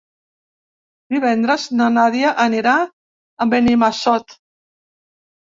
Divendres na Nàdia anirà a Benimassot.